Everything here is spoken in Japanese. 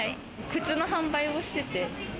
靴の販売をしてて。